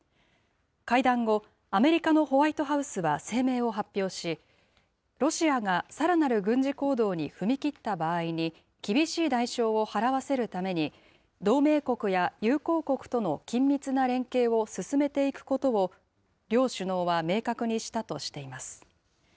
会談後、アメリカのホワイトハウスは声明を発表し、ロシアがさらなる軍事行動に踏み切った場合に、厳しい代償を払わせるために、同盟国や友好国との緊密な連携を進めていくことを、両首脳は明確にしたとしています。